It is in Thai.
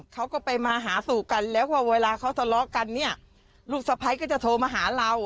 เขาก็ไปมาหาสู่กันแล้วก็เวลาเขาทะเลาะกันเนี่ยลูกสะพ้ายก็จะโทรมาหาเรา